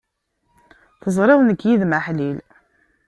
Teẓriḍ nekk yid-m aḥlil.